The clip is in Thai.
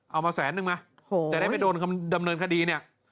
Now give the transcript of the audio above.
เอามาแสนนึงมาจะได้ไม่โดนดำเนินคดีเนี่ย